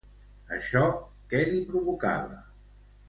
Això què li provocava?